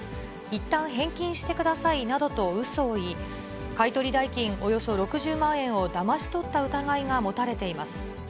いったん返金してくださいなどとうそを言い、買い取り代金およそ６０万円をだまし取った疑いが持たれています。